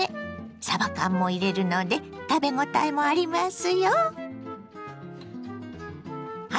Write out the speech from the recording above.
さば缶も入れるので食べごたえもありますよ。